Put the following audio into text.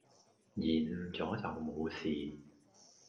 延誤左就無事